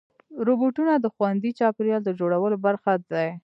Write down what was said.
روبوټونه د خوندي چاپېریال د جوړولو برخه دي.